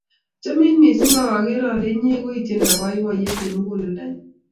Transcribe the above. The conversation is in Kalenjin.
Achamin missing', akere ale inye koi tyendap poipoyet eng' muguleldanyu.